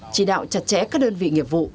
chỉ đạo chặt chẽ các đơn vị nghiệp vụ